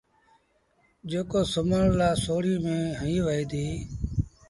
جيڪو سُومڻ لآ سوڙيٚن ميݩ هنئيٚ وهي ديٚ